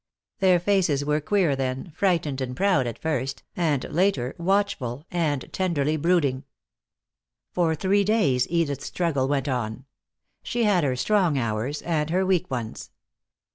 Their faces were queer then, frightened and proud at first, and later watchful and tenderly brooding. For three days Edith's struggle went on. She had her strong hours and her weak ones.